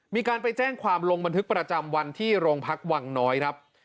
มีการไปแจ้งความลงบันทึกประจำวันที่โรงพักวังน้อยครับ